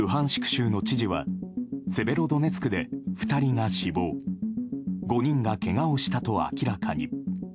州の知事はセベロドネツクで２人が死亡５人がけがをしたと明らかに。